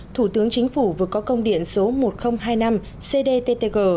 thủ tướng chính phủ vừa có công điện số một nghìn hai mươi năm cdttg